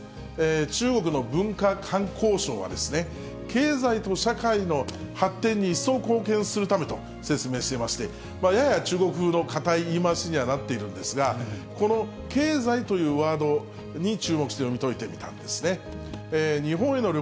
中国の文化観光省はですね、経済と社会の発展に一層貢献するためと説明していまして、やや中国風のかたい言い回しにはなっているんですが、この経済というワードに注目して読みといてみたんですね。